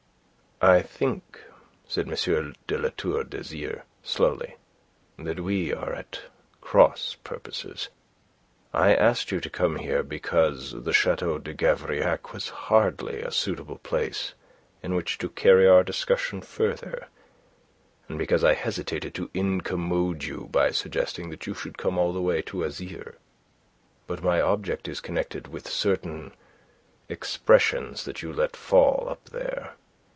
"I think," said M. de La Tour d'Azyr, slowly, "that we are at cross purposes. I asked you to come here because the Chateau de Gavrillac was hardly a suitable place in which to carry our discussion further, and because I hesitated to incommode you by suggesting that you should come all the way to Azyr. But my object is connected with certain expressions that you let fall up there.